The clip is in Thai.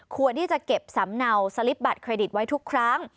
ควรที่จะเก็บสำเนาสลิปบัตรเครดิตไว้ทุกครั้ง